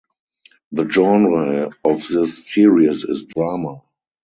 The genre of this series is drama.